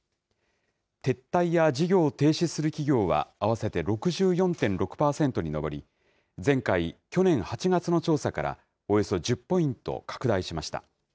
撤退や事業を停止する企業は合わせて６４．６％に上り、前回・去年８月の調査から、およそ１０ポイント拡大しました。